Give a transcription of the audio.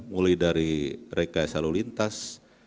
mulai dari rekayas halulintas